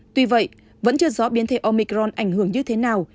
tuy vậy vẫn chưa rõ biến thể omicron ảnh hưởng như thế nào